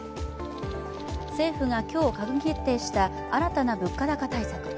政府が今日閣議決定した新たな物価高対策。